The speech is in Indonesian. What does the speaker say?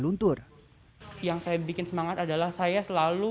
luntur yang saya bikin semangat adalah saya selalu